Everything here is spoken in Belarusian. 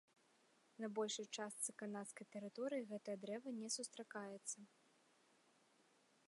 На большай частцы канадскай тэрыторый гэтае дрэва не сустракаецца.